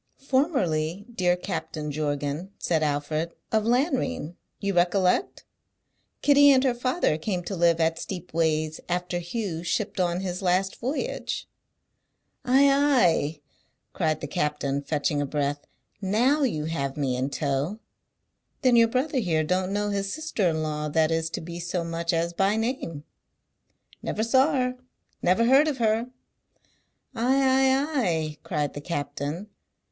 "Formerly, dear Captain Jorgan," said Alfred, "of Lanrean, you recollect? Kitty and her father came to live at Steepways after Hugh shipped on his last voyage." "Ay, ay!" cried the captain, fetching a breath. "Now you have me in tow. Then your brother here don't know his sister in law that is to be so much as by name?" "Never saw her; never heard of her!" "Ay, ay, ay!" cried the captain.